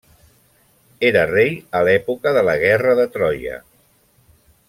Era rei a l'època de la guerra de Troia.